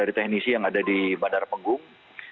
dari teknisi yang ada di bandara penggung